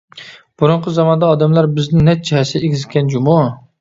بۇرۇنقى زاماندا ئادەملەر بىزدىن نەچچە ھەسسە ئېگىزكەن جۇمۇ!